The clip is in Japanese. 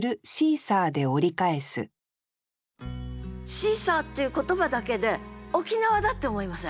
「シーサー」っていう言葉だけで沖縄だって思いません？